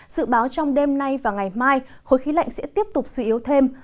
dự báo trong đêm nay và ngày mai khối khí lạnh sẽ tiếp tục suy yếu thêm